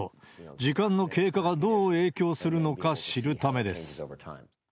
時間の経過がどう影響するのか知るためです。